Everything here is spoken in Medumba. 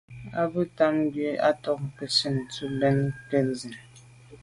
A be tam ngu’ à to’ nke ntsin tù mbèn nke nzine.